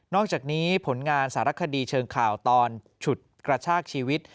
อกจากนี้ผลงานสารคดีเชิงข่าวตอนฉุดกระชากชีวิต